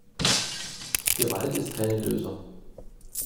Gewalt ist keine Lösung.